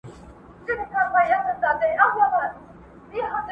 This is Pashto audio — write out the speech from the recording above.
د لوی ځنګله پر څنډه!